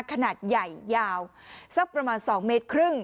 ขนาดใหญ่ยาวสักประมาณ๒เมตรครึ่ง